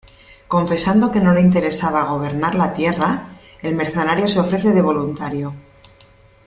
Confesando que no le interesaba gobernar la Tierra, el mercenario se ofrece de voluntario.